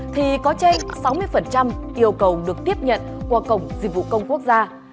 thì có trên sáu mươi yêu cầu được tiếp nhận qua cổng dịch vụ công quốc gia